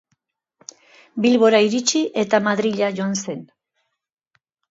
Bilbora iritsi eta Madrila joan zen.